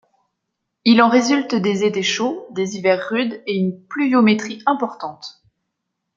Il en résulte des étés chauds, des hivers rudes, et une pluviométrie importante.